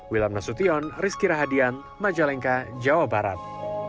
wilam nasution rizky rahadian majalengka jawa barat